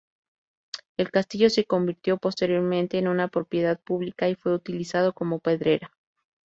El castillo se convirtió posteriormente en una propiedad pública y fue utilizado como pedrera.